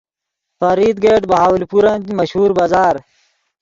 فرید گیٹ بہاولپورن مشہور بازار